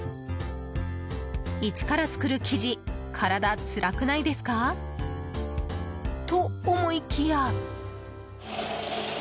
一から作る生地体、辛くないですかと思いきや。